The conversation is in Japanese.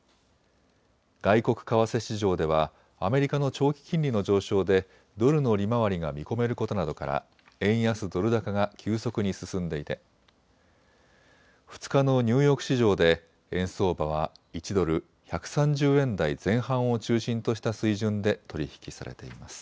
外国為替市場ではアメリカの長期金利の上昇でドルの利回りが見込めることなどから円安ドル高が急速に進んでいて２日のニューヨーク市場で円相場は１ドル１３０円台前半を中心とした水準で取り引きされています。